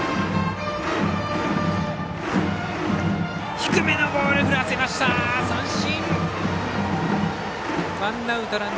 低めのボール振らせました、三振。